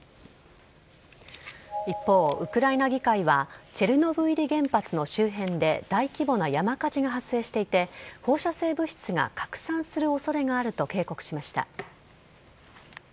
一方、ウクライナ議会は、チェルノブイリ原発の周辺で、大規模な山火事が発生していて、放射性物質が拡散するおそれがあると警告しました。